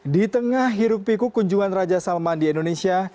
di tengah hirup piku kunjungan raja salman di indonesia